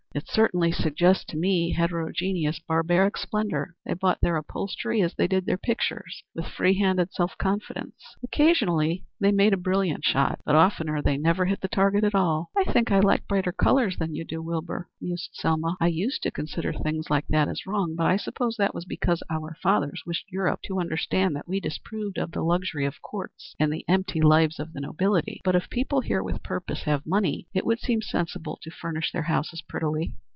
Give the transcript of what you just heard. "It certainly suggests to me heterogeneous barbaric splendor. They bought their upholstery as they did their pictures, with free handed self confidence. Occasionally they made a brilliant shot, but oftener they never hit the target at all." "I think I like brighter colors than you do, Wilbur," mused Selma. "I used to consider things like that as wrong; but I suppose that was because our fathers wished Europe to understand that we disapproved of the luxury of courts and the empty lives of the nobility. But if people here with purpose have money, it would seem sensible to furnish their houses prettily."